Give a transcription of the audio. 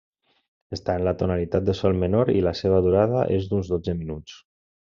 Està en la tonalitat de sol menor, i la seva durada és d'uns dotze minuts.